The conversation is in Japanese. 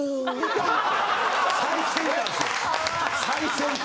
最先端！